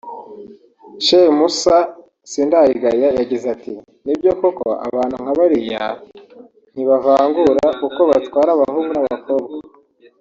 Sheikh Musa Sindayigaya yagize ati “Nibyo koko abantu nka bariya ntibavangura kuko batwara abahungu n’abakobwa